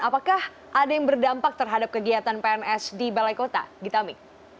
apakah ada yang berdampak terhadap kegiatan pns di balai kota gitami